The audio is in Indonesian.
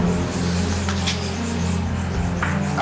tante kamu udah ngeluharin saya